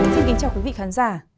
xin kính chào quý vị khán giả